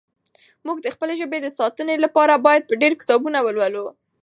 موږ د خپلې ژبې د ساتنې لپاره باید ډېر کتابونه ولولو.